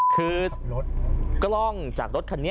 คือกล้องจากรถคันนี้